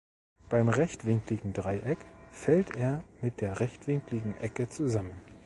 Beim rechtwinkligen Dreieck fällt er mit der rechtwinkligen Ecke zusammen.